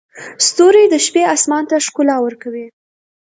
ستوري د شپې اسمان ته ښکلا ورکوي.